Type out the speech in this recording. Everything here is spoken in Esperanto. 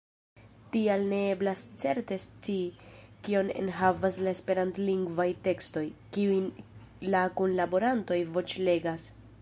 Tial ne eblas certe scii, kion enhavas la esperantlingvaj tekstoj, kiujn la kunlaborantoj voĉlegas.